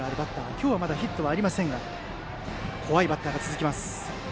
今日はまだヒットがありませんが怖いバッターが続きます。